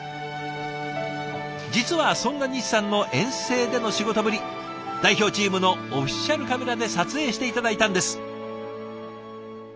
実はそんな西さんの遠征での仕事ぶり代表チームのオフィシャルカメラで撮影して頂いたんです。